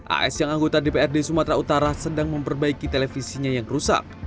as yang anggota dprd sumatera utara sedang memperbaiki televisinya yang rusak